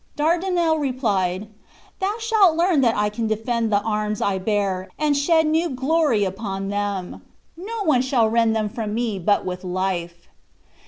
Dardinel replied: "Thou shalt learn that I can defend the arms I bear, and shed new glory upon them. No one shall rend them from me but with life."